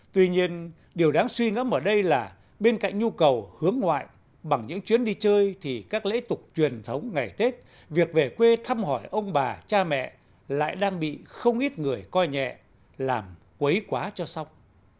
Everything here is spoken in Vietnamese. tuy nhiên điều đáng suy ngẫm ở đây là bên cạnh nhu cầu hướng ngoại bằng những chuyến đi chơi thì các lễ tục truyền thống ngày tết việc về quê thăm hỏi ông bà cha mẹ lại đang bị không ít người coi nhẹ làm quấy quá cho sóc